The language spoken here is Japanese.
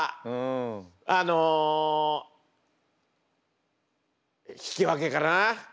あの引き分けかな。